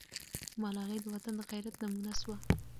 ملالۍ د وطن د غیرت نمونه سوه.